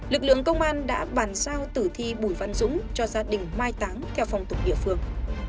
lực lượng công an đã bàn sao tử thi bùi văn dũng cho gia đình mai táng theo phong tục địa phương